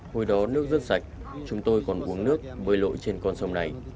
hồi đó nước rất sạch chúng tôi còn uống nước bơi lội trên con sông này